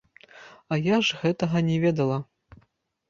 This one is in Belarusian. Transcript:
А я ж гэтага не ведала.